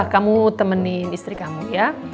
kamu temenin istri kamu ya